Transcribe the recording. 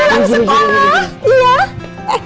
aduh mau ke sekolah